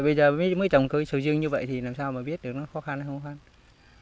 bây giờ mới trồng cây sầu riêng như vậy thì làm sao mà biết nó khó khăn hay không khó khăn